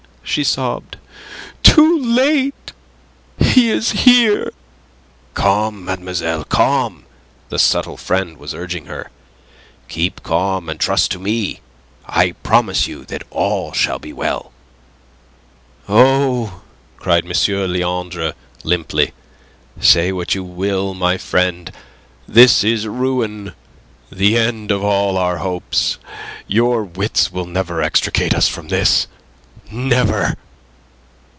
she sobbed. "Too late! He is here." "Calm, mademoiselle, calm!" the subtle friend was urging her. "Keep calm and trust to me. I promise you that all shall be well." "Oh!" cried M. Leandre, limply. "Say what you will, my friend, this is ruin the end of all our hopes. Your wits will never extricate us from this. Never!"